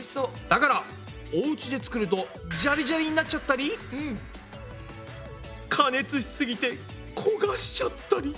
だからおうちで作るとジャリジャリになっちゃったり加熱しすぎて焦がしちゃったり。